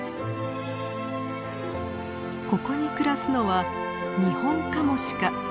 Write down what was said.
ここに暮らすのはニホンカモシカ。